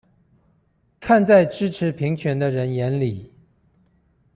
看在支持平權的人眼裡